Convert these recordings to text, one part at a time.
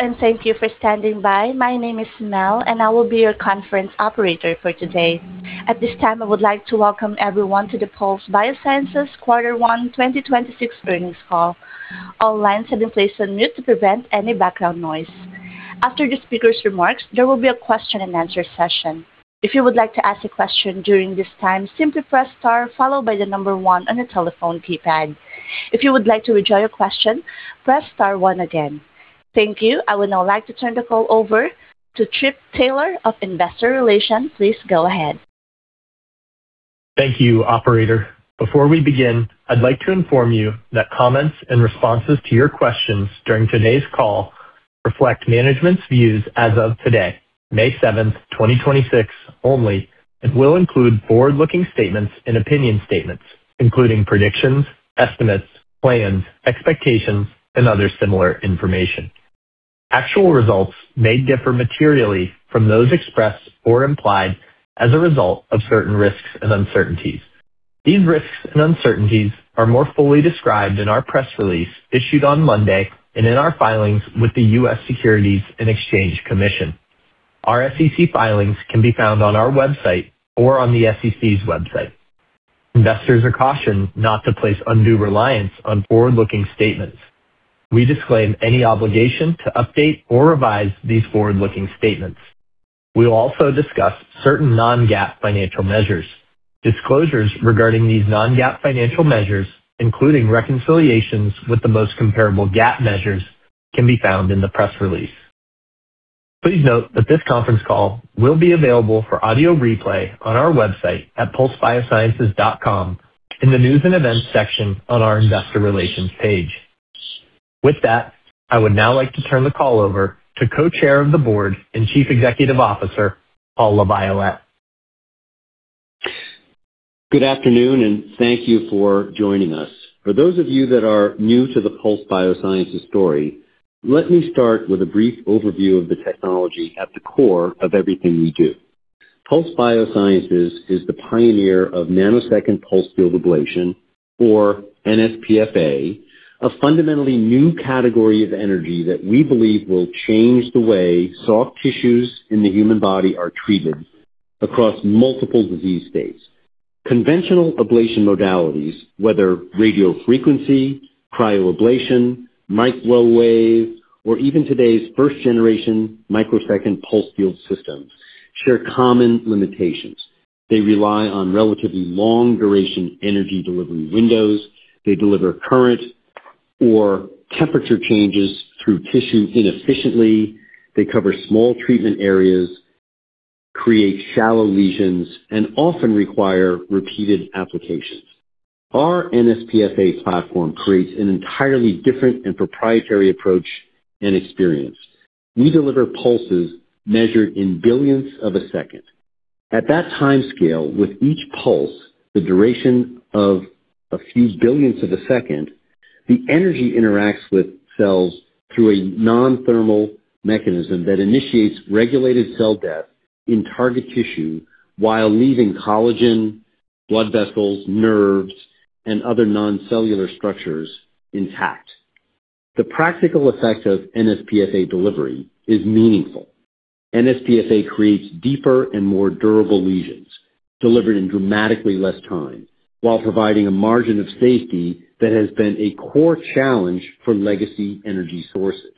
Hello, thank you for standing by. My name is Mel, I will be your conference operator for today. At this time, I would like to welcome everyone to the Pulse Biosciences Quarter One 2026 Earnings Call. All lines have been placed on mute to prevent any background noise. After the speaker's remarks, there will be a question and answer session. If you would like to ask a question during this time, simply press star followed by the one on your telephone keypad. If you would like to withdraw your question, press star one again. Thank you. I would now like to turn the call over to Tripp Taylor of Investor Relations. Please go ahead. Thank you, operator. Before we begin, I'd like to inform you that comments and responses to your questions during today's call reflect management's views as of today, May 7, 2026 only and will include forward-looking statements and opinion statements, including predictions, estimates, plans, expectations, and other similar information. Actual results may differ materially from those expressed or implied as a result of certain risks and uncertainties. These risks and uncertainties are more fully described in our press release issued on Monday and in our filings with the U.S. Securities and Exchange Commission. Our SEC filings can be found on our website or on the SEC's website. Investors are cautioned not to place undue reliance on forward-looking statements. We disclaim any obligation to update or revise these forward-looking statements. We'll also discuss certain non-GAAP financial measures. Disclosures regarding these non-GAAP financial measures, including reconciliations with the most comparable GAAP measures, can be found in the press release. Please note that this conference call will be available for audio replay on our website at pulsebiosciences.com in the News and Events section on our Investor Relations page. With that, I would now like to turn the call over to Co-Chairman of the Board and Chief Executive Officer, Paul LaViolette. Good afternoon, and thank you for joining us. For those of you that are new to the Pulse Biosciences story, let me start with a brief overview of the technology at the core of everything we do. Pulse Biosciences is the pioneer of nanosecond pulsed field ablation, or nsPFA, a fundamentally new category of energy that we believe will change the way soft tissues in the human body are treated across multiple disease states. Conventional ablation modalities, whether radiofrequency, cryoablation, microwave, or even today's first generation microsecond pulsed field systems, share common limitations. They rely on relatively long-duration energy delivery windows. They deliver current or temperature changes through tissue inefficiently. They cover small treatment areas, create shallow lesions, and often require repeated applications. Our nsPFA platform creates an entirely different and proprietary approach and experience. We deliver pulses measured in billionths of a second. At that time scale, with each pulse, the duration of a few billionths of a second, the energy interacts with cells through a non-thermal mechanism that initiates regulated cell death in target tissue while leaving collagen, blood vessels, nerves, and other non-cellular structures intact. The practical effect of nsPFA delivery is meaningful. nsPFA creates deeper and more durable lesions delivered in dramatically less time while providing a margin of safety that has been a core challenge for legacy energy sources.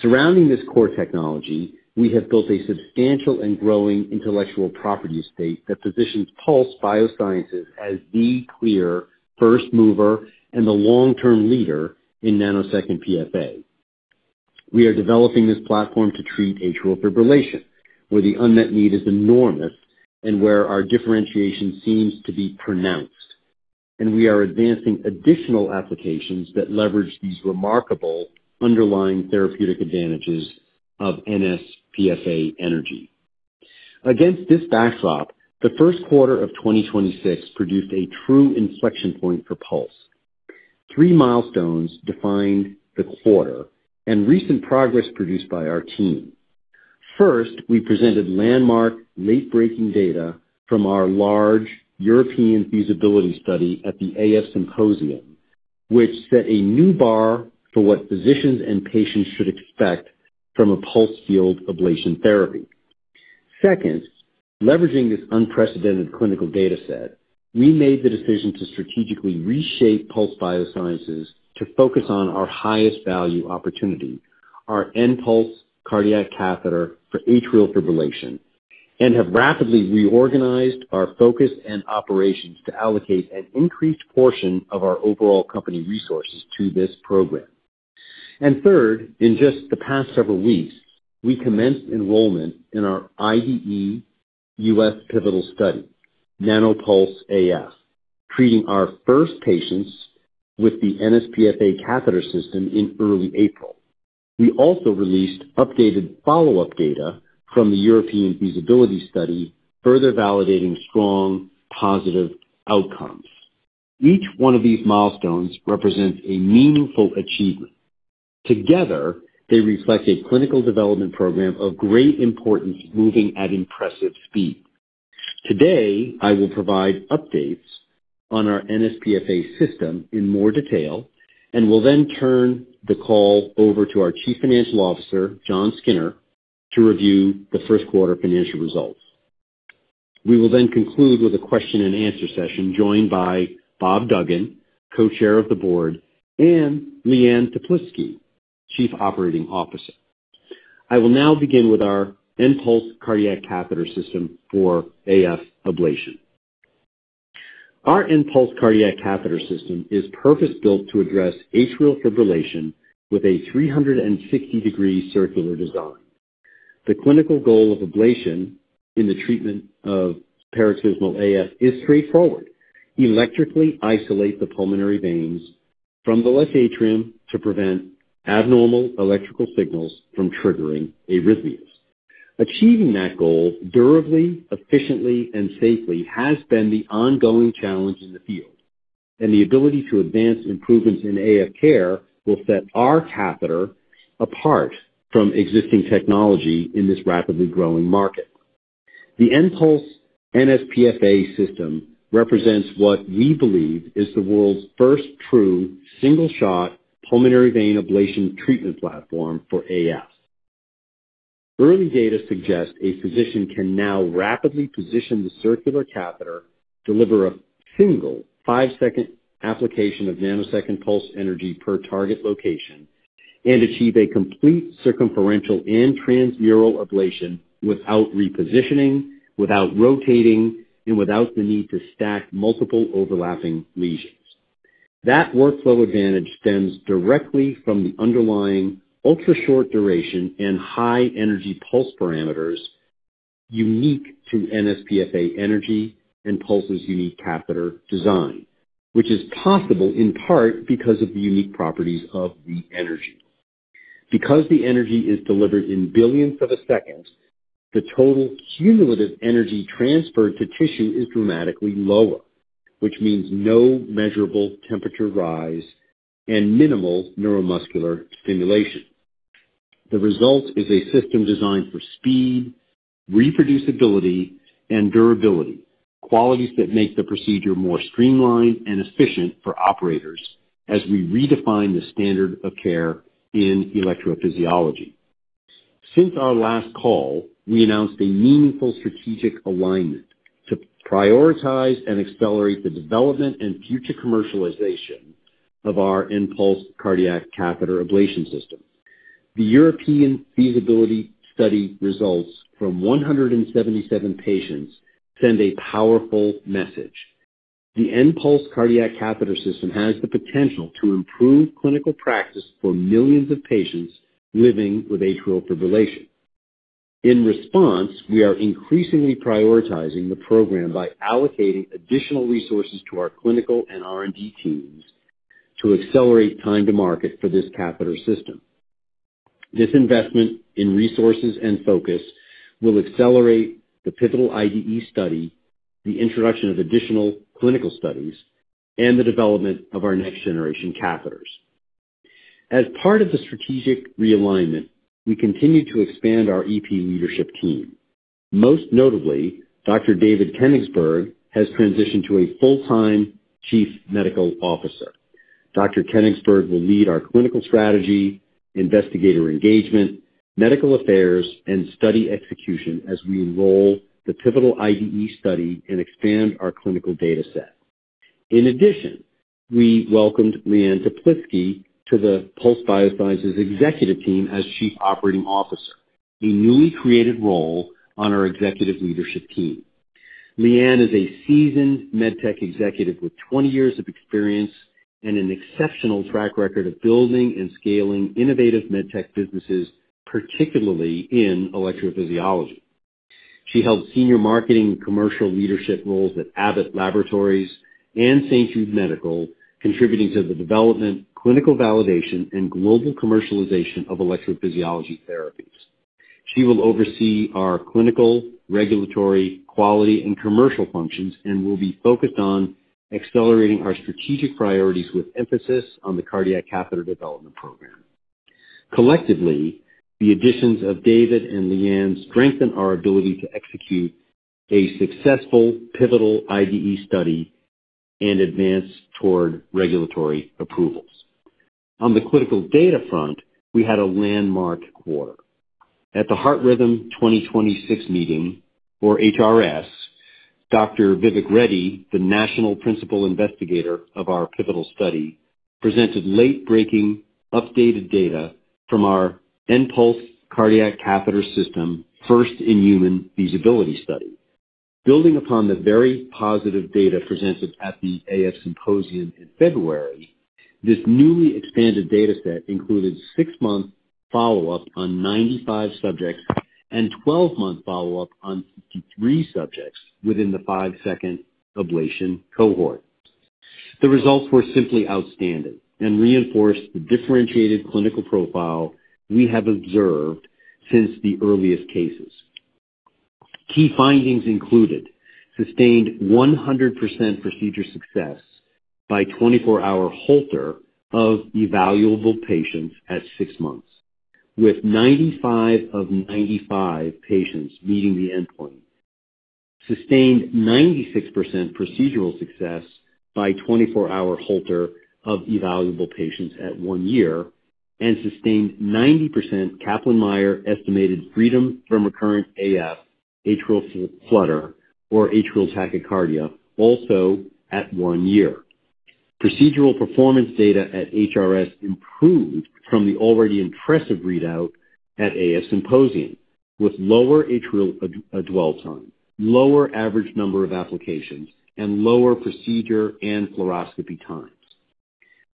Surrounding this core technology, we have built a substantial and growing intellectual property estate that positions Pulse Biosciences as the clear first mover and the long-term leader in nanosecond PFA. We are developing this platform to treat atrial fibrillation, where the unmet need is enormous and where our differentiation seems to be pronounced. We are advancing additional applications that leverage these remarkable underlying therapeutic advantages of nsPFA energy. Against this backdrop, the first quarter of 2026 produced a true inflection point for Pulse Biosciences. Three milestones defined the quarter and recent progress produced by our team. First, we presented landmark late-breaking data from our large European feasibility study at the AF Symposium, which set a new bar for what physicians and patients should expect from a pulsed field ablation therapy. Second, leveraging this unprecedented clinical data set, we made the decision to strategically reshape Pulse Biosciences to focus on our highest value opportunity, our nPulse cardiac catheter for atrial fibrillation, have rapidly reorganized our focus and operations to allocate an increased portion of our overall company resources to this program. Third, in just the past several weeks, we commenced enrollment in our IDE U.S. pivotal study, NANOPULSE-AF, treating our first patients with the nsPFA catheter system in early April. We also released updated follow-up data from the European feasibility study, further validating strong positive outcomes. Each one of these milestones represents a meaningful achievement. Together, they reflect a clinical development program of great importance moving at impressive speed. Today, I will provide updates on our nsPFA system in more detail, and will then turn the call over to our Chief Financial Officer, Jon Skinner, to review the first quarter financial results. We will then conclude with a question-and-answer session joined by Bob Duggan, Co-Chairman of the Board, and Liane Teplitsky, Chief Operating Officer. I will now begin with our nPulse cardiac catheter system for AF ablation. Our nPulse cardiac catheter system is purpose-built to address atrial fibrillation with a 360 degrees circular design. The clinical goal of ablation in the treatment of paroxysmal AF is straightforward: electrically isolate the pulmonary veins from the left atrium to prevent abnormal electrical signals from triggering arrhythmias. Achieving that goal durably, efficiently, and safely has been the ongoing challenge in the field, and the ability to advance improvements in AF care will set our catheter apart from existing technology in this rapidly growing market. The nPulse nsPFA system represents what we believe is the world's first true single-shot pulmonary vein ablation treatment platform for AF. Early data suggest a physician can now rapidly position the circular catheter, deliver a single five-second application of nanosecond pulse energy per target location, and achieve a complete circumferential and transmural ablation without repositioning, without rotating, and without the need to stack multiple overlapping lesions. That workflow advantage stems directly from the underlying ultra-short duration and high-energy pulse parameters unique to nsPFA energy and Pulse's unique catheter design, which is possible in part because of the unique properties of the energy. Because the energy is delivered in billionths of a second, the total cumulative energy transferred to tissue is dramatically lower, which means no measurable temperature rise and minimal neuromuscular stimulation. The result is a system designed for speed, reproducibility, and durability, qualities that make the procedure more streamlined and efficient for operators as we redefine the standard of care in electrophysiology. Since our last call, we announced a meaningful strategic alignment to prioritize and accelerate the development and future commercialization of our nPulse cardiac catheter ablation system. The European feasibility study results from 177 patients send a powerful message. The nPulse cardiac catheter system has the potential to improve clinical practice for millions of patients living with atrial fibrillation. In response, we are increasingly prioritizing the program by allocating additional resources to our clinical and R&D teams to accelerate time to market for this catheter system. This investment in resources and focus will accelerate the pivotal IDE study, the introduction of additional clinical studies, and the development of our next-generation catheters. As part of the strategic realignment, we continue to expand our EP leadership team. Most notably, Dr. David Kenigsberg has transitioned to a full-time Chief Medical Officer. Dr. Kenigsberg will lead our clinical strategy, investigator engagement, medical affairs, and study execution as we enroll the pivotal IDE study and expand our clinical data set. In addition, we welcomed Liane Teplitsky to the Pulse Biosciences executive team as Chief Operating Officer, a newly created role on our executive leadership team. Liane is a seasoned med tech executive with 20 years of experience and an exceptional track record of building and scaling innovative med tech businesses, particularly in electrophysiology. She held senior marketing and commercial leadership roles at Abbott Laboratories and St. Jude Medical, contributing to the development, clinical validation, and global commercialization of electrophysiology therapies. She will oversee our clinical, regulatory, quality, and commercial functions and will be focused on accelerating our strategic priorities with emphasis on the cardiac catheter development program. Collectively, the additions of David and Liane strengthen our ability to execute a successful pivotal IDE study and advance toward regulatory approvals. On the clinical data front, we had a landmark quarter. At the Heart Rhythm 2026 meeting, or HRS, Dr. Vivek Reddy, the national principal investigator of our pivotal study, presented late-breaking updated data from our nPulse cardiac catheter system first-in-human feasibility study. Building upon the very positive data presented at the AF Symposium in February, this newly expanded data set included six-month follow-up on 95 subjects and 12-month follow-up on 63 subjects within the five-second ablation cohort. The results were simply outstanding and reinforced the differentiated clinical profile we have observed since the earliest cases. Key findings included sustained 100% procedure success by 24-hour Holter of evaluable patients at six months. With 95 of 95 patients meeting the endpoint, sustained 96% procedural success by 24-hour Holter of evaluable patients at one year, and sustained 90% Kaplan-Meier estimated freedom from recurrent AF, atrial flutter, or atrial tachycardia, also at one year. Procedural performance data at HRS improved from the already impressive readout at AF Symposium, with lower atrial dwell time, lower average number of applications, and lower procedure and fluoroscopy times.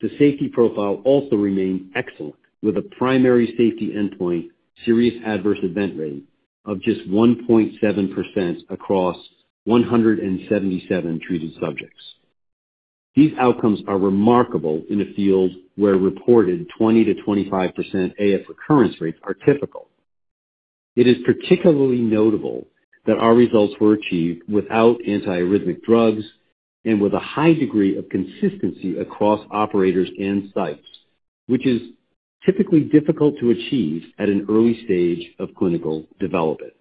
The safety profile also remained excellent, with a primary safety endpoint serious adverse event rate of just 1.7% across 177 treated subjects. These outcomes are remarkable in a field where reported 20%-25% AF recurrence rates are typical. It is particularly notable that our results were achieved without antiarrhythmic drugs and with a high degree of consistency across operators and sites, which is typically difficult to achieve at an early stage of clinical development.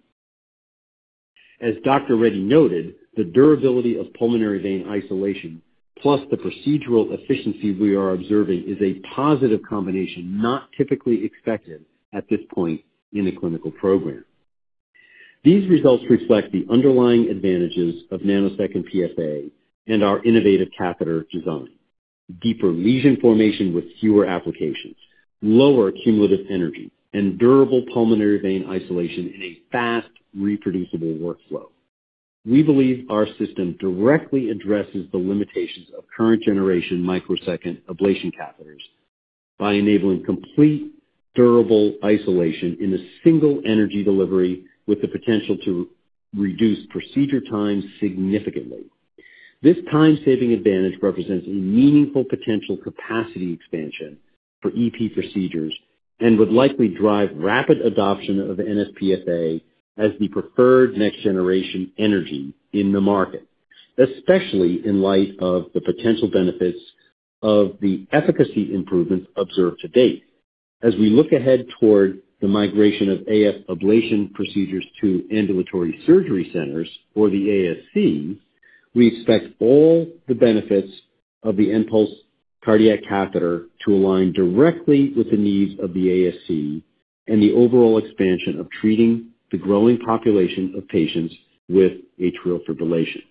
As Dr. Reddy noted, the durability of pulmonary vein isolation, plus the procedural efficiency we are observing, is a positive combination, not typically expected at this point in the clinical program. These results reflect the underlying advantages of nanosecond PFA and our innovative catheter design. Deeper lesion formation with fewer applications, lower cumulative energy, and durable pulmonary vein isolation in a fast, reproducible workflow. We believe our system directly addresses the limitations of current-generation microsecond ablation catheters by enabling complete durable isolation in a single energy delivery with the potential to reduce procedure time significantly. This time-saving advantage represents a meaningful potential capacity expansion for EP procedures and would likely drive rapid adoption of the nsPFA as the preferred next-generation energy in the market, especially in light of the potential benefits of the efficacy improvements observed to date. As we look ahead toward the migration of AF ablation procedures to ambulatory surgery centers or the ASC, we expect all the benefits of the nPulse cardiac catheter to align directly with the needs of the ASC and the overall expansion of treating the growing population of patients with atrial fibrillation.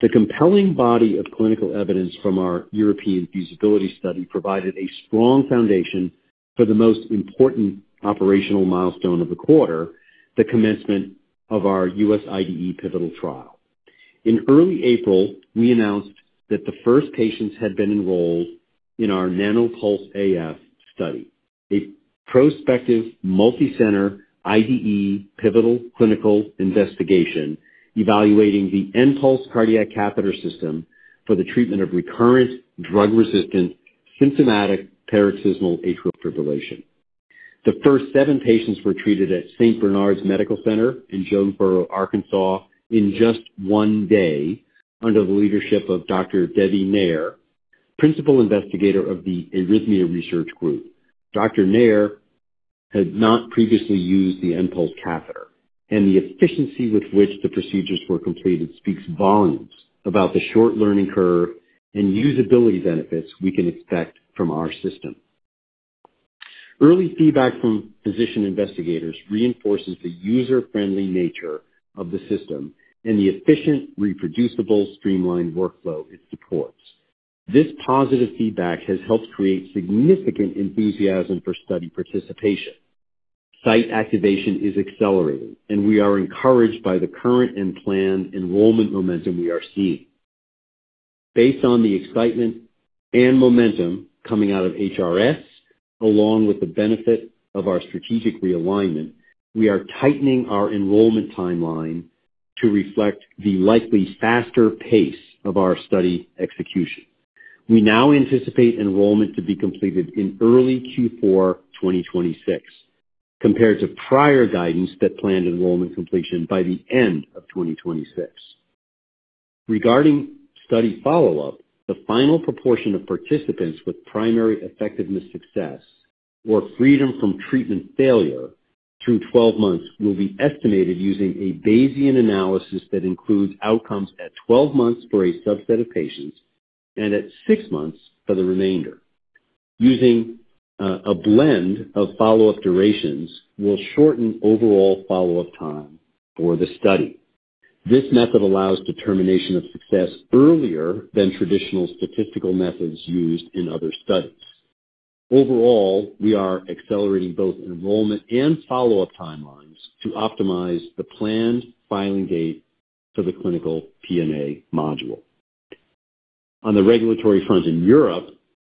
The compelling body of clinical evidence from our European feasibility study provided a strong foundation for the most important operational milestone of the quarter, the commencement of our U.S. IDE pivotal trial. In early April, we announced that the first patients had been enrolled in our NANOPULSE-AF study, a prospective multi-center IDE pivotal clinical investigation evaluating the nPulse cardiac catheter system for the treatment of recurrent drug-resistant symptomatic paroxysmal atrial fibrillation. The first seven patients were treated at St. Bernards Medical Center in Jonesboro, Arkansas, in just one day under the leadership of Dr. Devi Nair, principal investigator of the Arrhythmia Research Group. Dr. Nair had not previously used the nPulse catheter, the efficiency with which the procedures were completed speaks volumes about the short learning curve and usability benefits we can expect from our system. Early feedback from physician investigators reinforces the user-friendly nature of the system and the efficient, reproducible, streamlined workflow it supports. This positive feedback has helped create significant enthusiasm for study participation. Site activation is accelerating; we are encouraged by the current and planned enrollment momentum we are seeing. Based on the excitement and momentum coming out of HRS, along with the benefit of our strategic realignment, we are tightening our enrollment timeline to reflect the likely faster pace of our study execution. We now anticipate enrollment to be completed in early Q4 2026, compared to prior guidance that planned enrollment completion by the end of 2026. Regarding study follow-up, the final proportion of participants with primary effectiveness success or freedom from treatment failure through 12 months will be estimated using a Bayesian analysis that includes outcomes at 12 months for a subset of patients and at six months for the remainder. Using a blend of follow-up durations will shorten overall follow-up time for the study. This method allows determination of success earlier than traditional statistical methods used in other studies. Overall, we are accelerating both enrollment and follow-up timelines to optimize the planned filing date for the clinical PMA module. On the regulatory front in Europe,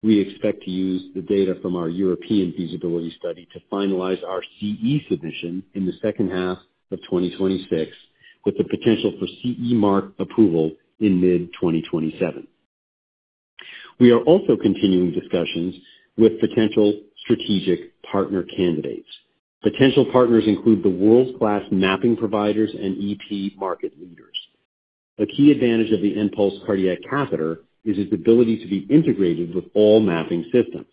we expect to use the data from our European feasibility study to finalize our CE submission in the second half of 2026, with the potential for CE mark approval in mid-2027. We are also continuing discussions with potential strategic partner candidates. Potential partners include the world-class mapping providers and EP market leaders. A key advantage of the nPulse cardiac catheter is its ability to be integrated with all mapping systems.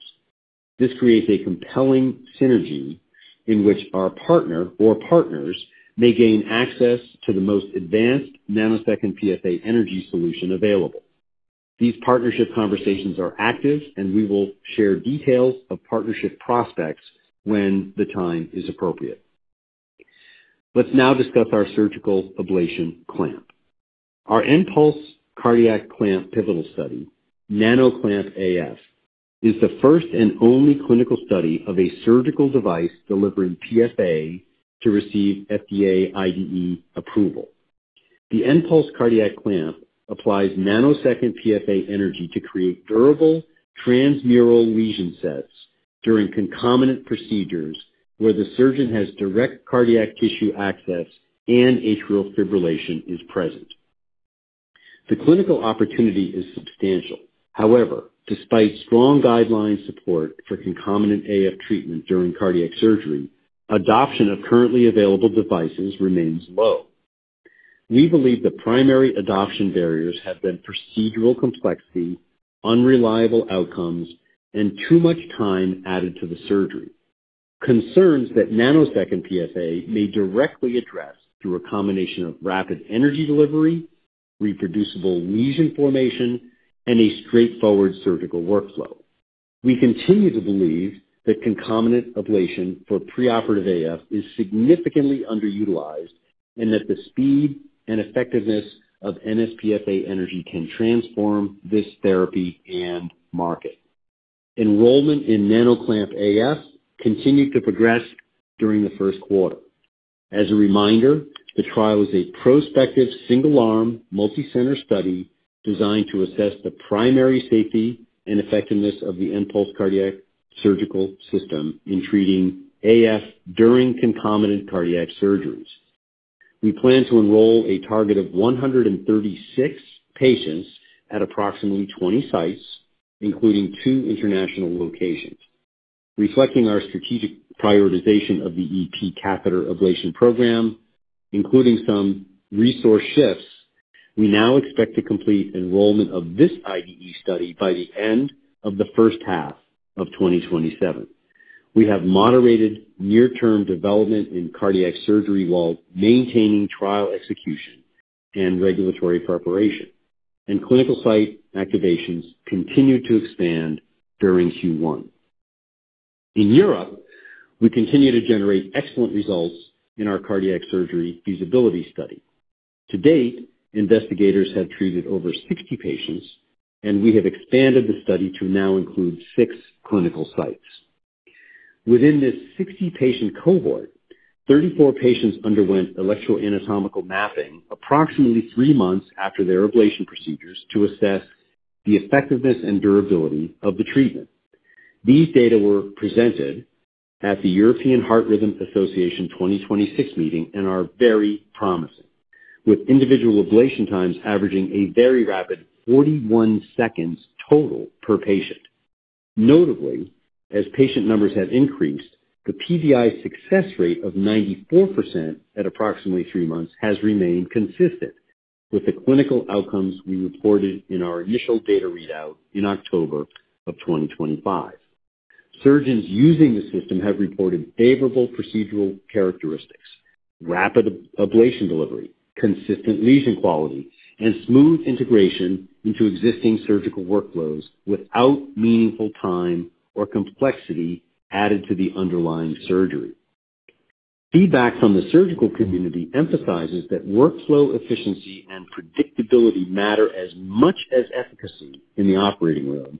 This creates a compelling synergy in which our partner or partners may gain access to the most advanced nanosecond PFA energy solution available. These partnership conversations are active, and we will share details of partnership prospects when the time is appropriate. Let's now discuss our surgical ablation clamp. Our nPulse cardiac clamp pivotal study, NANOCLAMP AF, is the first and only clinical study of a surgical device delivering PFA to receive FDA IDE approval. The nPulse cardiac clamp applies nanosecond PFA energy to create durable transmural lesion sets during concomitant procedures where the surgeon has direct cardiac tissue access and atrial fibrillation is present. The clinical opportunity is substantial. However, despite strong guideline support for concomitant AF treatment during cardiac surgery, adoption of currently available devices remains low. We believe the primary adoption barriers have been procedural complexity, unreliable outcomes, and too much time added to the surgery, concerns that nanosecond PFA may directly address through a combination of rapid energy delivery, reproducible lesion formation, and a straightforward surgical workflow. We continue to believe that concomitant ablation for preoperative AF is significantly underutilized, and that the speed and effectiveness of nsPFA energy can transform this therapy and market. Enrollment in NANOCLAMP AF continued to progress during the first quarter. As a reminder, the trial is a prospective single-arm, multicenter study designed to assess the primary safety and effectiveness of the nPulse cardiac surgical system in treating AF during concomitant cardiac surgeries. We plan to enroll a target of 136 patients at approximately 20 sites, including two international locations. Reflecting our strategic prioritization of the EP catheter ablation program, including some resource shifts, we now expect to complete enrollment of this IDE study by the end of the first half of 2027. We have moderated near-term development in cardiac surgery while maintaining trial execution and regulatory preparation. Clinical site activations continued to expand during Q one. In Europe, we continue to generate excellent results in our cardiac surgery feasibility study. To date, investigators have treated over 60 patients, and we have expanded the study to now include six clinical sites. Within this 60-patient cohort, 34 patients underwent electroanatomical mapping approximately three months after their ablation procedures to assess the effectiveness and durability of the treatment. These data were presented at the European Heart Rhythm Association 2026 meeting and are very promising, with individual ablation times averaging a very rapid 41 seconds total per patient. Notably, as patient numbers have increased, the PVI success rate of 94% at approximately three months has remained consistent with the clinical outcomes we reported in our initial data readout in October of 2025. Surgeons using the system have reported favorable procedural characteristics, rapid ablation delivery, consistent lesion quality, and smooth integration into existing surgical workflows without meaningful time or complexity added to the underlying surgery. Feedback from the surgical community emphasizes that workflow efficiency and predictability matter as much as efficacy in the operating room.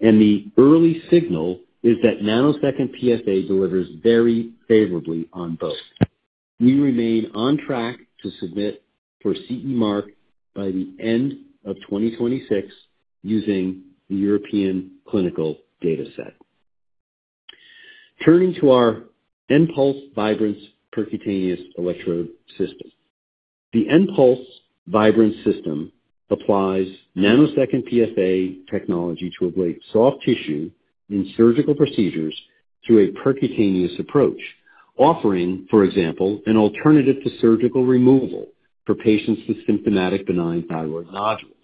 The early signal is that nanosecond PFA delivers very favorably on both. We remain on track to submit for CE mark by the end of 2026 using the European clinical data set. Turning to our nPulse Vybrance percutaneous electrode system. The nPulse Vybrance system applies nanosecond PFA technology to ablate soft tissue in surgical procedures through a percutaneous approach, offering, for example, an alternative to surgical removal for patients with symptomatic benign thyroid nodules.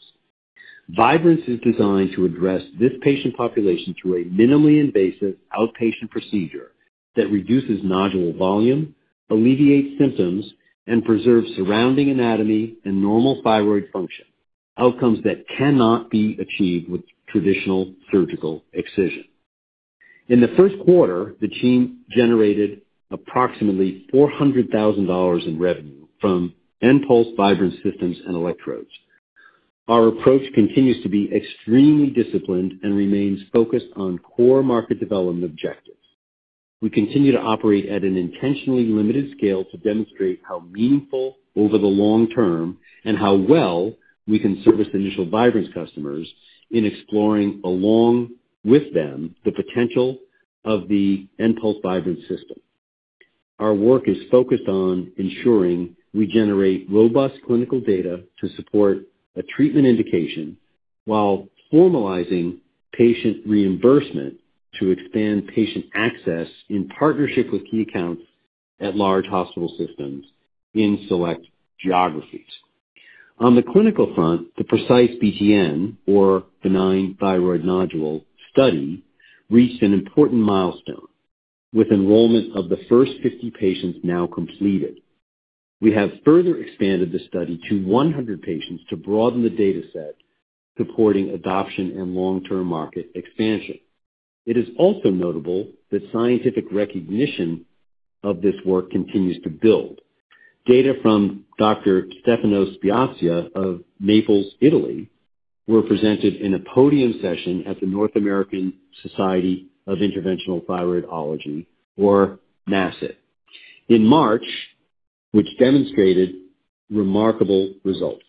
Vybrance is designed to address this patient population through a minimally invasive outpatient procedure that reduces nodule volume, alleviates symptoms, and preserves surrounding anatomy and normal thyroid function, outcomes that cannot be achieved with traditional surgical excision. In the first quarter, the team generated approximately $400,000 in revenue from nPulse Vybrance systems and electrodes. Our approach continues to be extremely disciplined and remains focused on core market development objectives. We continue to operate at an intentionally limited scale to demonstrate how meaningful over the long term and how well we can service the initial Vybrance customers in exploring along with them the potential of the nPulse Vybrance system. Our work is focused on ensuring we generate robust clinical data to support a treatment indication while formalizing patient reimbursement to expand patient access in partnership with key accounts at large hospital systems in select geographies. On the clinical front, the PRECISE-BTN, or benign thyroid nodule study, reached an important milestone with enrollment of the first 50 patients now completed. We have further expanded the study to 100 patients to broaden the data set supporting adoption and long-term market expansion. It is also notable that scientific recognition of this work continues to build. Data from Dr. Stefano Spiezia of Naples, Italy, were presented in a podium session at the North American Society for Interventional Thyroidology, or NASIT, in March, which demonstrated remarkable results.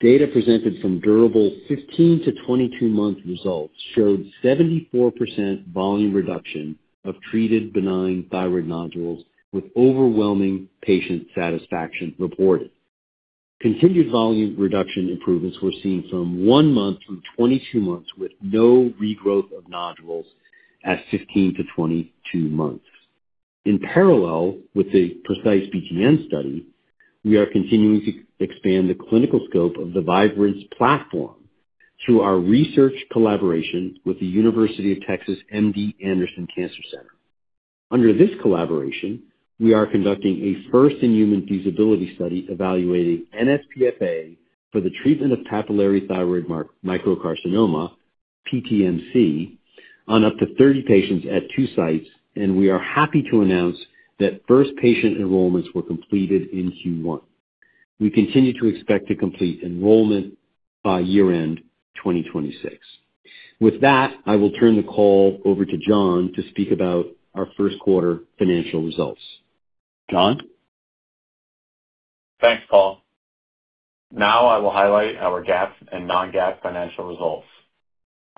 Data presented from durable 15 month-22 month results showed 74% volume reduction of treated benign thyroid nodules with overwhelming patient satisfaction reported. Continued volume reduction improvements were seen from one month through 22 months with no regrowth of nodules at 15 month-22 months. In parallel with the PRECISE-BTN study, we are continuing to expand the clinical scope of the Vybrance platform through our research collaboration with the University of Texas MD Anderson Cancer Center. Under this collaboration, we are conducting a first-in-human feasibility study evaluating nsPFA for the treatment of papillary thyroid microcarcinoma, PTMC, on up to 30 patients at two sites, and we are happy to announce that first patient enrollments were completed in Q1. We continue to expect to complete enrollment by year-end 2026. With that, I will turn the call over to Jon to speak about our first quarter financial results. Jon? Thanks, Paul. Now I will highlight our GAAP and non-GAAP financial results.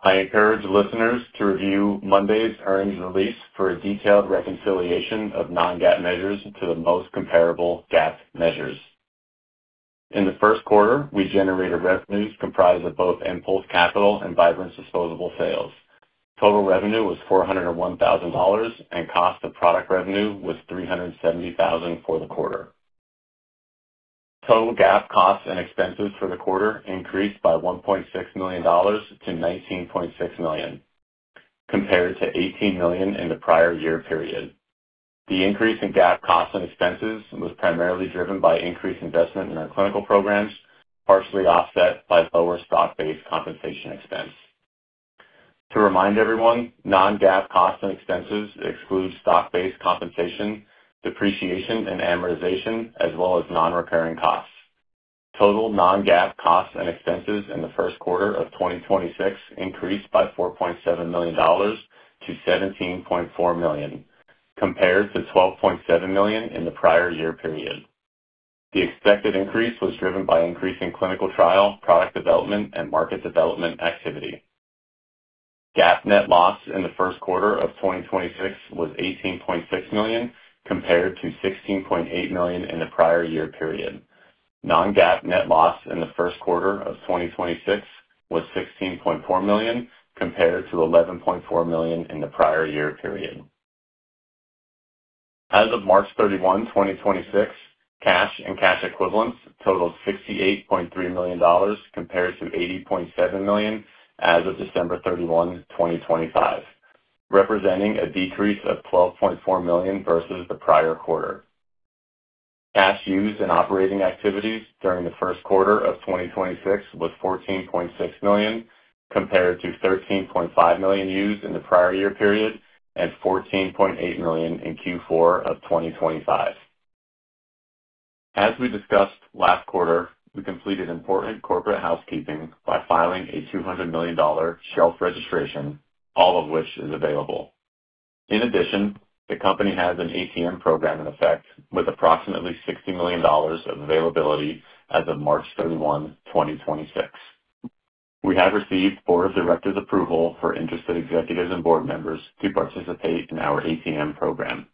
I encourage listeners to review Monday's earnings release for a detailed reconciliation of non-GAAP measures to the most comparable GAAP measures. In the first quarter, we generated revenues comprised of both nPulse capital and Vybrance disposable sales. Total revenue was $401,000, and cost of product revenue was $370,000 for the quarter. Total GAAP costs and expenses for the quarter increased by $1.6 million to $19.6 million, compared to $18 million in the prior year period. The increase in GAAP costs and expenses was primarily driven by increased investment in our clinical programs, partially offset by lower stock-based compensation expense. To remind everyone, non-GAAP costs and expenses exclude stock-based compensation, depreciation, and amortization, as well as non-recurring costs. Total non-GAAP costs and expenses in the first quarter of 2026 increased by $4.7 million to $17.4 million, compared to $12.7 million in the prior year period. The expected increase was driven by increasing clinical trial, product development, and market development activity. GAAP net loss in the first quarter of 2026 was $18.6 million, compared to $16.8 million in the prior year period. Non-GAAP net loss in the first quarter of 2026 was $16.4 million, compared to $11.4 million in the prior year period. As of March 31, 2026, cash and cash equivalents totaled $68.3 million compared to $80.7 million as of December 31, 2025, representing a decrease of $12.4 million versus the prior quarter. Cash used in operating activities during the first quarter of 2026 was $14.6 million, compared to $13.5 million used in the prior year period and $14.8 million in Q4 of 2025. As we discussed last quarter, we completed important corporate housekeeping by filing a $200 million shelf registration, all of which is available. In addition, the company has an ATM program in effect with approximately $60 million of availability as of March 31, 2026. We have received Board of Directors approval for interested executives and board members to participate in our ATM program.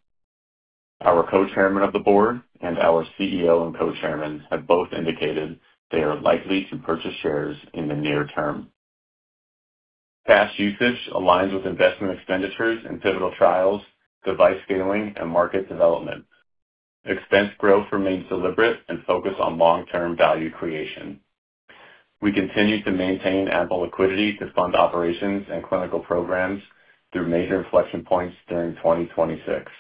Our Co-Chairman of the Board and our CEO and Co-Chairman have both indicated they are likely to purchase shares in the near term. Cash usage aligns with investment expenditures in pivotal trials, device scaling, and market development. Expense growth remains deliberate and focused on long-term value creation. We continue to maintain ample liquidity to fund operations and clinical programs through major inflection points during 2026.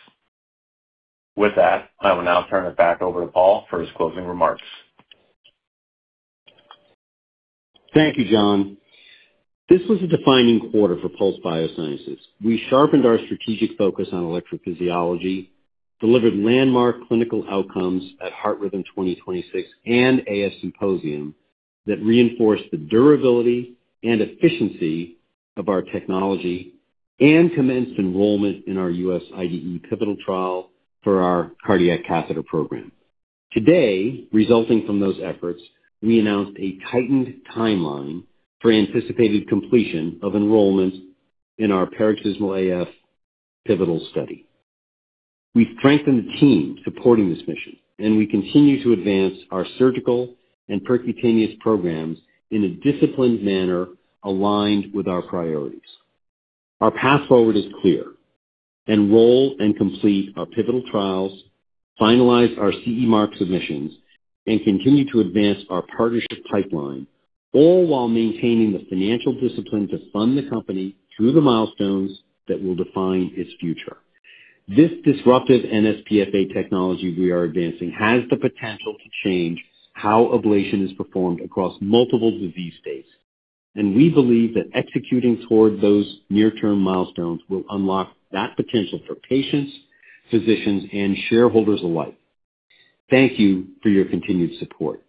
With that, I will now turn it back over to Paul for his closing remarks. Thank you, Jon. This was a defining quarter for Pulse Biosciences. We sharpened our strategic focus on electrophysiology, delivered landmark clinical outcomes at Heart Rhythm 2026 and AF Symposium that reinforced the durability and efficiency of our technology, and commenced enrollment in our U.S. IDE pivotal trial for our cardiac catheter program. Today, resulting from those efforts, we announced a tightened timeline for anticipated completion of enrollment in our paroxysmal AF pivotal study. We've strengthened the team supporting this mission, and we continue to advance our surgical and percutaneous programs in a disciplined manner aligned with our priorities. Our path forward is clear. Enroll and complete our pivotal trials, finalize our CE mark submissions, and continue to advance our partnership pipeline, all while maintaining the financial discipline to fund the company through the milestones that will define its future. This disruptive nsPFA technology we are advancing has the potential to change how ablation is performed across multiple disease states, and we believe that executing toward those near-term milestones will unlock that potential for patients, physicians, and shareholders alike. Thank you for your continued support.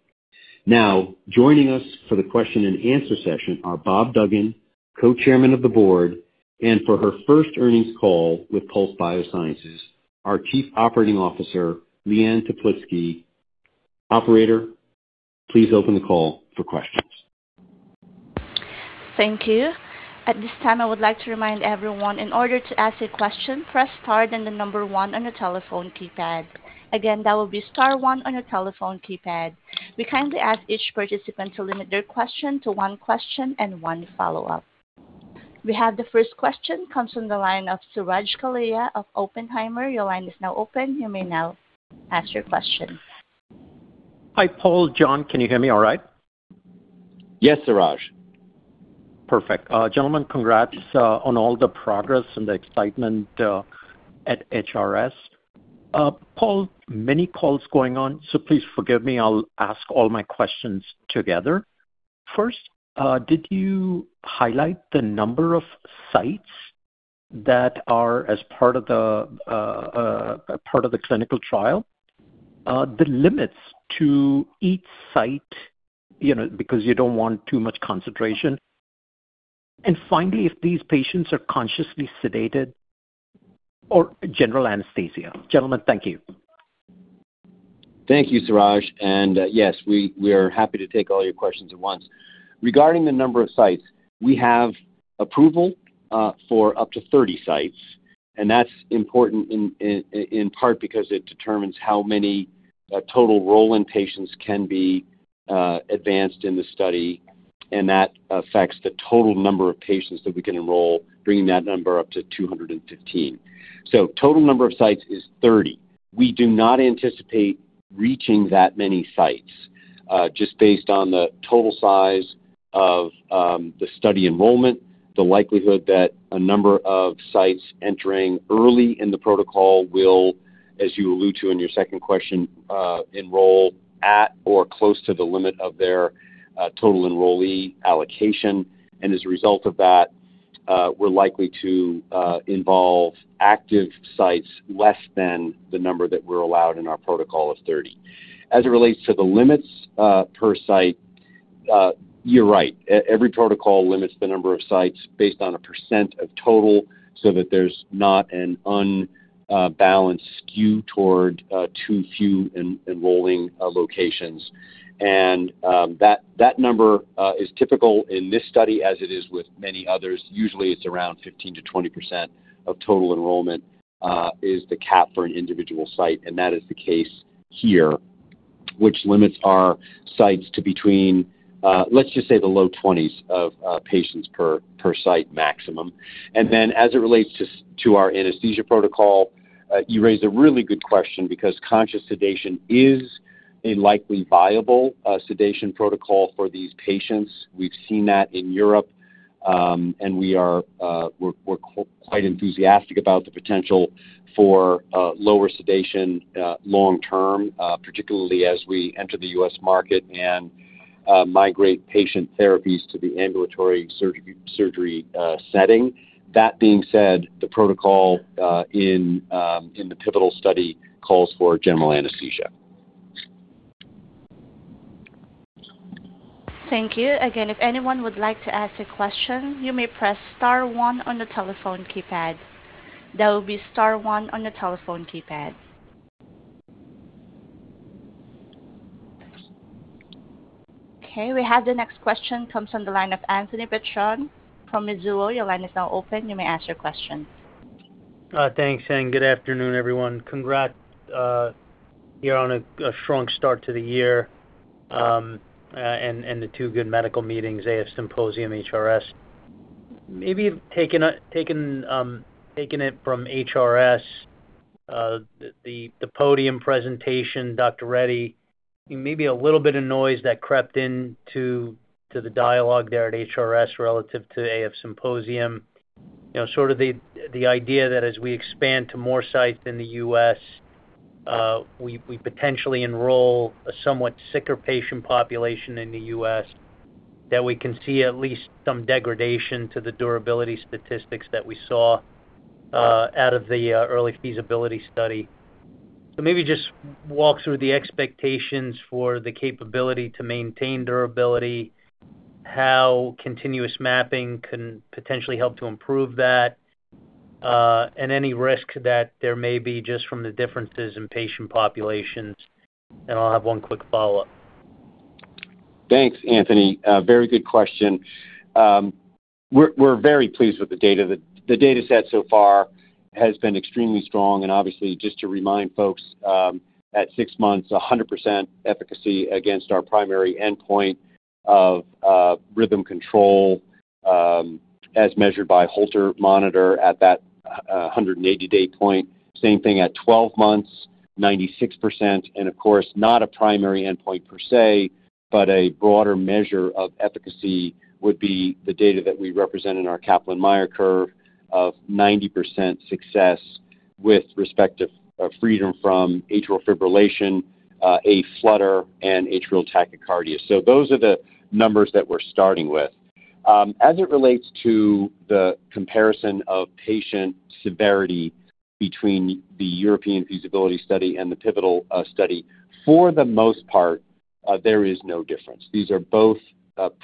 Now, joining us for the question and answer session are Bob Duggan, Co-Chairman of the Board, and for her first earnings call with Pulse Biosciences, our Chief Operating Officer, Liane Teplitsky. Operator, please open the call for questions. Thank you. At this time, I would like to remind everyone, in order to ask a question, press star, then the one on your telephone keypad. Again, that will be star one on your telephone keypad. We kindly ask each participant to limit their question to one question and one follow-up. We have the first question. Comes from the line of Suraj Kalia of Oppenheimer. Your line is now open. You may now ask your question. Hi, Paul, Jon, can you hear me all right? Yes, Suraj. Perfect. Gentlemen, congrats on all the progress and the excitement at HRS. Paul, many calls going on, so please forgive me, I'll ask all my questions together. First, did you highlight the number of sites that are as part of the clinical trial? The limits to each site, you know, because you don't want too much concentration. Finally, if these patients are consciously sedated or general anesthesia. Gentlemen, thank you. Thank you, Suraj. Yes, we are happy to take all your questions at once. Regarding the number of sites, we have approval for up to 30 sites, and that's important in part because it determines how many total roll-in patients can be advanced in the study, and that affects the total number of patients that we can enroll, bringing that number up to 215. Total number of sites is 30. We do not anticipate reaching that many sites, just based on the total size of the study enrollment, the likelihood that a number of sites entering early in the protocol will, as you allude to in your second question, enroll at or close to the limit of their total enrollee allocation. As a result of that, we're likely to involve active sites less than the number that we're allowed in our protocol of 30. As it relates to the limits per site, you're right. Every protocol limits the number of sites based on a percent of total so that there's not an unbalanced skew toward too few enrolling locations. That number is typical in this study as it is with many others. Usually, it's around 15%-20% of total enrollment is the cap for an individual site, and that is the case here, which limits our sites to between, let's just say the low 20s of patients per site maximum. As it relates to our anesthesia protocol, you raised a really good question because conscious sedation is a likely viable sedation protocol for these patients. We've seen that in Europe, we're quite enthusiastic about the potential for lower sedation long term, particularly as we enter the U.S. market and migrate patient therapies to the ambulatory surgery setting. That being said, the protocol in the pivotal study calls for general anesthesia. Thank you. Again, if anyone would like to ask a question, you may press star one on the telephone keypad. That will be star one on your telephone keypad. Okay, we have the next question, comes from the line of Anthony Petrone from Mizuho. Your line is now open. You may ask your question. Thanks, good afternoon, everyone. Congrats, you're on a strong start to the year, and the two good medical meetings, AF Symposium, HRS. Maybe you've taken it from HRS, the podium presentation, Dr. Reddy, maybe a little bit of noise that crept into the dialogue there at HRS relative to AF Symposium. You know, sort of the idea that as we expand to more sites in the U.S., we potentially enroll a somewhat sicker patient population in the U.S. that we can see at least some degradation to the durability statistics that we saw out of the early feasibility study. Maybe just walk through the expectations for the capability to maintain durability, how continuous mapping can potentially help to improve that, and any risk that there may be just from the differences in patient populations. I'll have one quick follow-up. Thanks, Anthony. A very good question. We're very pleased with the data. The data set so far has been extremely strong and obviously just to remind folks, at six months, 100% efficacy against our primary endpoint of rhythm control, as measured by Holter monitor at that 180-day point. Same thing at 12 months, 96%. Of course, not a primary endpoint per se, but a broader measure of efficacy would be the data that we represent in our Kaplan-Meier curve of 90% success with respect of freedom from atrial fibrillation, Aflutter and atrial tachycardia. Those are the numbers that we're starting with. As it relates to the comparison of patient severity between the European feasibility study and the pivotal study, for the most part, there is no difference. These are both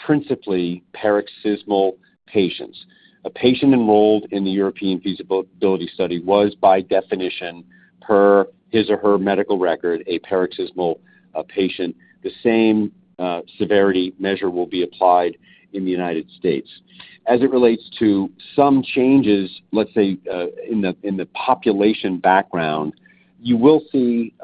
principally paroxysmal patients. A patient enrolled in the European feasibility study was, by definition, per his or her medical record, a paroxysmal patient. The same severity measure will be applied in the United States. As it relates to some changes, let's say, in the population background, you will see,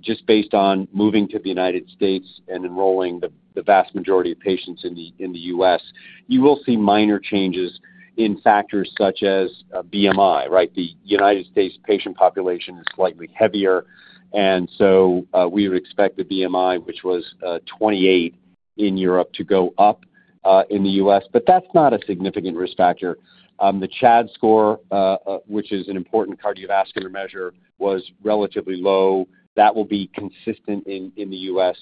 just based on moving to the United States and enrolling the vast majority of patients in the U.S., you will see minor changes in factors such as BMI, right? The United States patient population is slightly heavier, we would expect the BMI, which was 28 in Europe, to go up in the U.S. That's not a significant risk factor. The CHA2DS2-VASc score, which is an important cardiovascular measure, was relatively low. That will be consistent in the U.S.,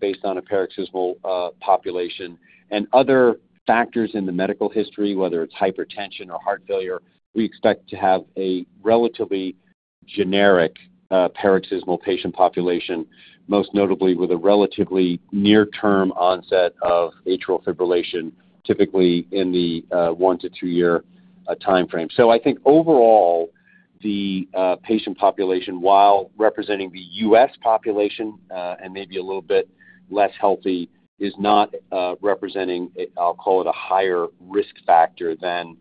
based on a paroxysmal population. Other factors in the medical history, whether it's hypertension or heart failure, we expect to have a relatively generic paroxysmal patient population, most notably with a relatively near-term onset of atrial fibrillation, typically in the one-to-two-year timeframe. I think overall, the patient population, while representing the U.S. population, and maybe a little bit less healthy, is not representing a, I'll call it, a higher risk factor than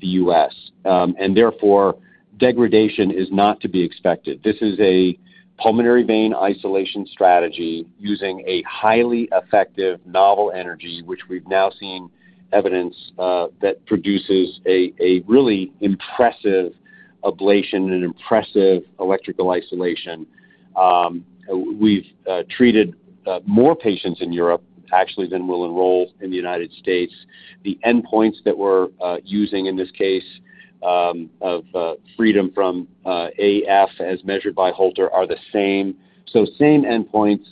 the U.S. Therefore, degradation is not to be expected. This is a pulmonary vein isolation strategy using a highly effective novel energy, which we've now seen evidence that produces a really impressive ablation and impressive electrical isolation. We've treated more patients in Europe actually than we'll enroll in the United States. The endpoints that we're using in this case, of freedom from AF as measured by Holter are the same, so same endpoints.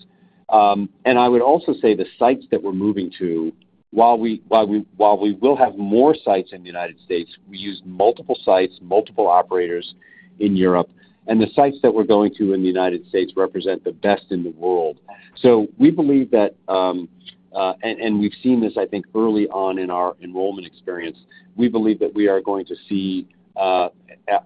I would also say the sites that we're moving to, while we will have more sites in the United States, we use multiple sites, multiple operators in Europe. The sites that we're going to in the United States represent the best in the world. We believe that, and we've seen this, I think, early on in our enrollment experience, we believe that we are going to see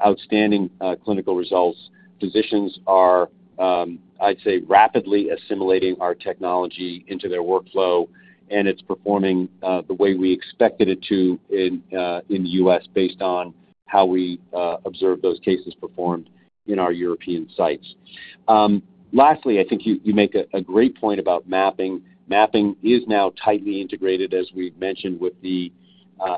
outstanding clinical results. Physicians are, I'd say, rapidly assimilating our technology into their workflow, and it's performing the way we expected it to in the U.S. based on how we observed those cases performed in our European sites. Lastly, I think you make a great point about mapping. Mapping is now tightly integrated, as we've mentioned, with the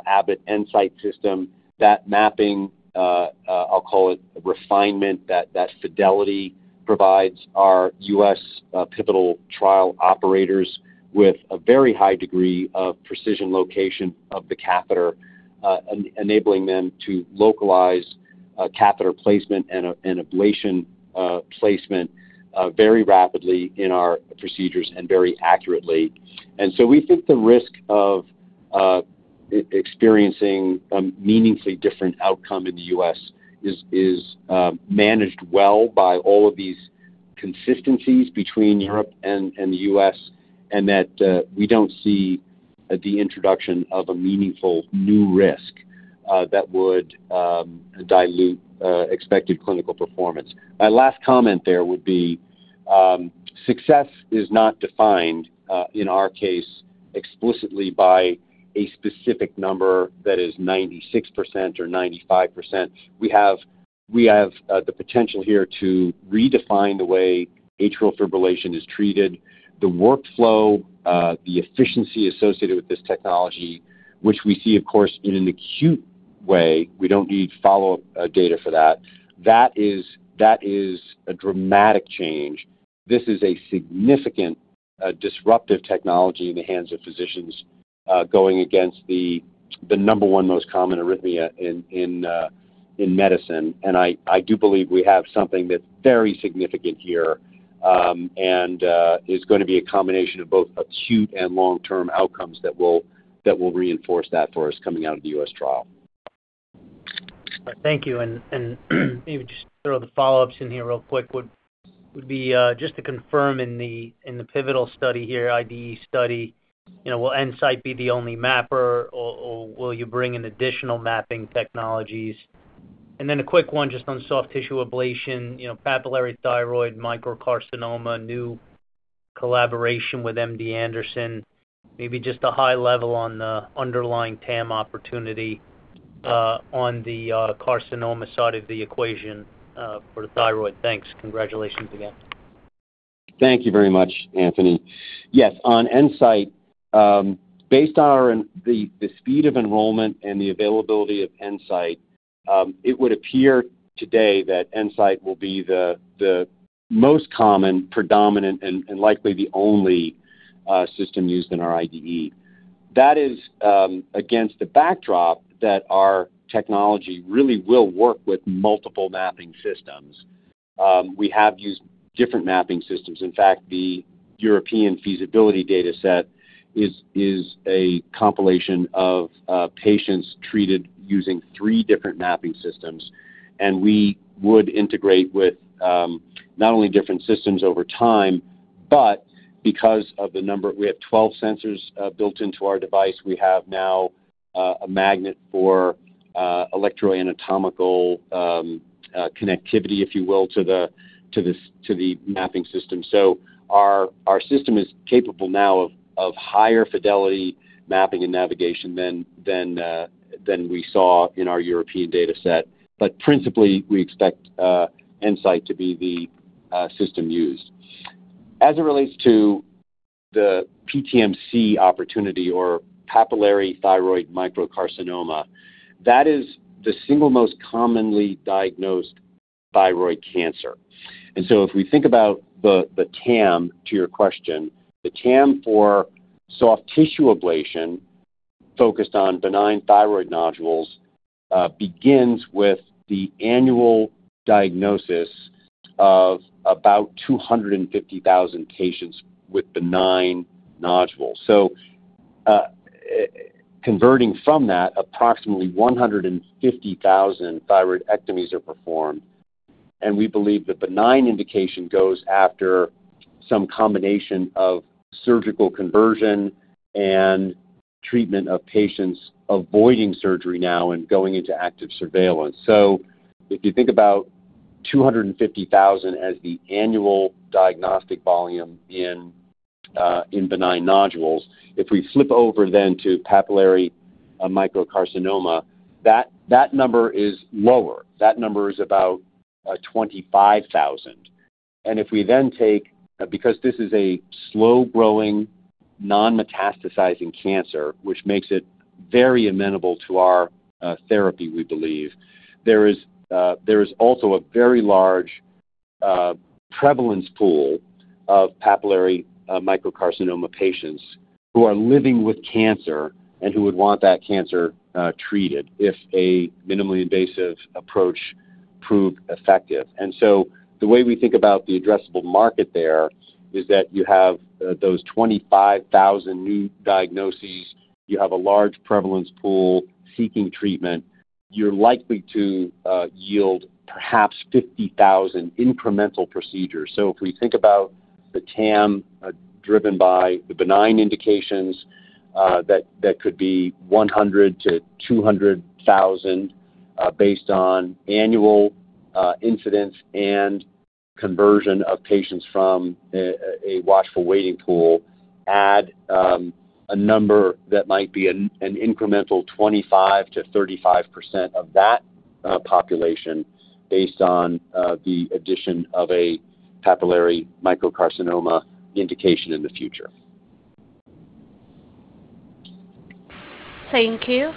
Abbott EnSite system. That mapping, I'll call it refinement, that fidelity provides our U.S. pivotal trial operators with a very high degree of precision location of the catheter, enabling them to localize catheter placement and ablation placement very rapidly in our procedures and very accurately. We think the risk of experiencing a meaningfully different outcome in the U.S. is managed well by all of these consistencies between Europe and the U.S. We don't see the introduction of a meaningful new risk that would dilute expected clinical performance. My last comment there would be success is not defined in our case explicitly by a specific number that is 96% or 95%. We have the potential here to redefine the way atrial fibrillation is treated. The workflow, the efficiency associated with this technology, which we see, of course, in an acute way, we don't need follow-up data for that is a dramatic change. This is a significant disruptive technology in the hands of physicians going against the number one most common arrhythmia in medicine. I do believe we have something that's very significant here, and is gonna be a combination of both acute and long-term outcomes that will reinforce that for us coming out of the U.S. trial. Thank you. Maybe just throw the follow-ups in here real quick, just to confirm in the pivotal study here, IDE study, you know, will EnSite be the only mapper or will you bring in additional mapping technologies? A quick one just on soft tissue ablation, you know, papillary thyroid microcarcinoma, new collaboration with MD Anderson, maybe just a high level on the underlying TAM opportunity on the carcinoma side of the equation for the thyroid. Thanks. Congratulations again. Thank you very much, Anthony. Yes. On EnSite, based on the speed of enrollment and the availability of EnSite, it would appear today that EnSite will be the most common predominant and likely the only system used in our IDE. That is against the backdrop that our technology really will work with multiple mapping systems. We have used different mapping systems. In fact, the European feasibility data set is a compilation of patients treated using three different mapping systems. We would integrate with not only different systems over time, but because of the number We have 12 sensors built into our device. We have now a magnet for electro-anatomical connectivity, if you will, to the mapping system. Our system is capable now of higher fidelity mapping and navigation than we saw in our European data set. Principally, we expect EnSite to be the system used. As it relates to the PTMC opportunity or papillary thyroid microcarcinoma, that is the single most commonly diagnosed thyroid cancer. If we think about the TAM to your question, the TAM for soft tissue ablation focused on benign thyroid nodules begins with the annual diagnosis of about 250,000 patients with benign nodules. Converting from that, approximately 150,000 thyroidectomies are performed, and we believe the benign indication goes after some combination of surgical conversion and treatment of patients avoiding surgery now and going into active surveillance. If you think about 250,000 as the annual diagnostic volume in benign nodules, if we flip over then to papillary microcarcinoma, that number is lower. That number is about 25,000. If we then take, because this is a slow-growing non-metastasizing cancer, which makes it very amenable to our therapy, we believe, there is also a very large prevalence pool of papillary microcarcinoma patients who are living with cancer and who would want that cancer treated if a minimally invasive approach proved effective. The way we think about the addressable market there is that you have those 25,000 new diagnoses. You have a large prevalence pool seeking treatment. You're likely to yield perhaps 50,000 incremental procedures. If we think about the TAM, driven by the benign indications, that could be 100,000-200,000, based on annual incidence and conversion of patients from a watchful waiting pool, add a number that might be an incremental 25%-35% of that population based on the addition of a papillary microcarcinoma indication in the future. Thank you.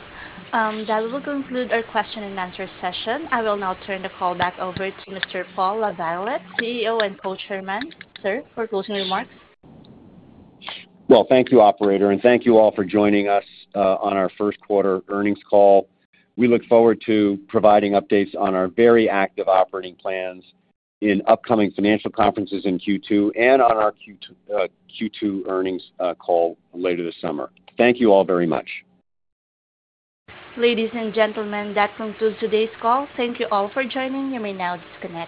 That will conclude our question-and-answer session. I will now turn the call back over to Mr. Paul LaViolette, CEO and Co-Chairman. Sir, for closing remarks. Well, thank you, operator, thank you all for joining us on our first quarter earnings call. We look forward to providing updates on our very active operating plans in upcoming financial conferences in Q2 and on our Q2 earnings call later this summer. Thank you all very much. Ladies and gentlemen, that concludes today's call. Thank you all for joining. You may now disconnect.